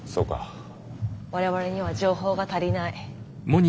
我々には情報が足りない。